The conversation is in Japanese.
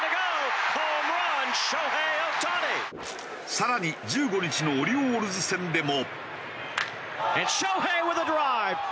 更に１５日のオリオールズ戦でも。